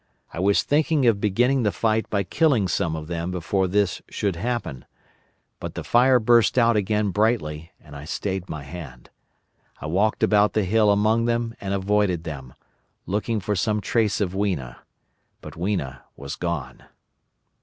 I was thinking of beginning the fight by killing some of them before this should happen; but the fire burst out again brightly, and I stayed my hand. I walked about the hill among them and avoided them, looking for some trace of Weena. But Weena was gone.